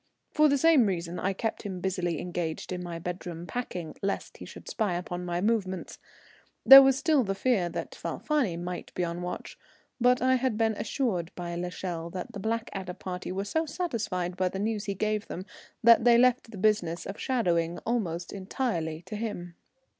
For the same reason I kept him busily engaged in my bedroom packing, lest he should spy upon my movements. There was still the fear that Falfani might be on the watch, but I had been assured by l'Echelle that the Blackadder party were so satisfied by the news he gave them that they left the business of shadowing almost entirely to him.